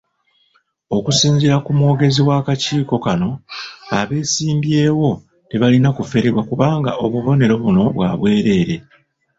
Okusinziira ku mwogezi w'akakiiko kano, abeesimbyewo tebalina kuferebwa kubanga obubonero buno bwa bwereere.